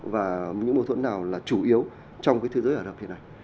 và những mâu thuẫn nào là chủ yếu trong cái thế giới ả rập thế này